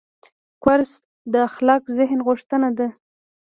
کورس د خلاق ذهن غوښتنه ده.